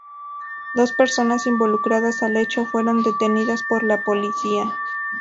Dos personas involucradas al hecho fueron detenidas por la policía.